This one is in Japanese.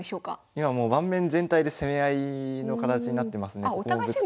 今もう盤面全体で攻め合いの形になってますね。